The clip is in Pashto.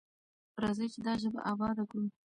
راځئ چې دا ژبه اباده کړو.